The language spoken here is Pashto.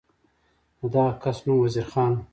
د دغه کس نوم وزیر خان و.